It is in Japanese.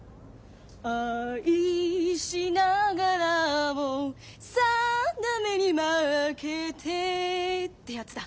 「愛しながらも運命に負けて」ってやつだ。